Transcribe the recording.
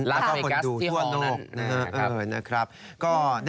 แล้วก็คนดูทั่วโนกนะครับลาเมกัสที่ห้องนั่น